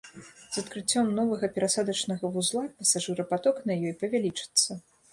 З адкрыццём новага перасадачнага вузла пасажырапаток на ёй павялічыцца.